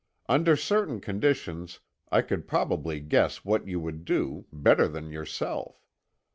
Under certain conditions I could probably guess what you would do, better than yourself.